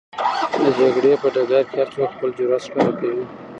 د جګړې په ډګر کې هر څوک خپل جرئت ښکاره کوي.